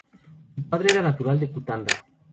Su padre era natural de Cutanda.